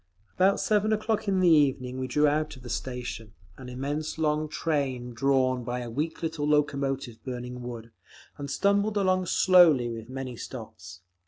About seven o'clock in the evening we drew out of the station, an immense long train drawn by a weak little locomotive burning wood, and stumbled along slowly, with many stops.